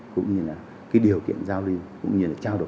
cũng như là cái điều kiện giao lưu cũng như là trao đổi